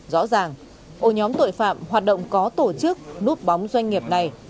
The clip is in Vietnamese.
rõ ràng ổ nhóm tội phạm hoạt động có tổ chức núp bóng doanh nghiệp này